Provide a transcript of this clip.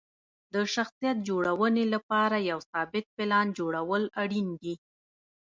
د شخصیت جوړونې لپاره یو ثابت پلان جوړول اړین دي.